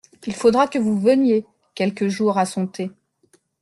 Il faudra que vous veniez, quelque jour, à son thé.